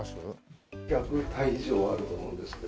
１００体以上はあると思うんですけど。